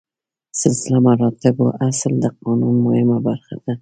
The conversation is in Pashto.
سلسله مراتبو اصل د قانون مهمه برخه ده.